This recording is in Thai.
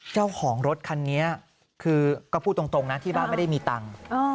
เจ้าของรถคันนี้คือก็พูดตรงนะที่บ้านไม่ได้มีตังค์